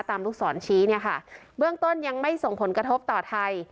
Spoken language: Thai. ลูกศรชี้เนี่ยค่ะเบื้องต้นยังไม่ส่งผลกระทบต่อไทย